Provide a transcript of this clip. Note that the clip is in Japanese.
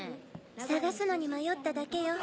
探すのに迷っただけよ。